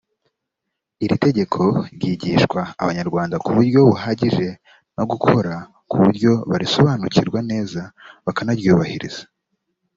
iri tegeko ryigishwa abanyarwanda ku buryo buhagije no gukora ku buryo barisobanukirwa neza bakanaryubahiriza